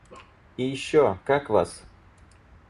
И еще — как вас?!